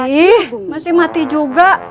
ih masih mati juga